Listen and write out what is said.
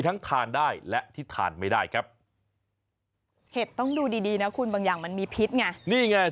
ขนาดเท่าไหรคน